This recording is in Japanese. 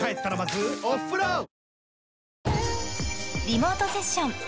［リモートセッション。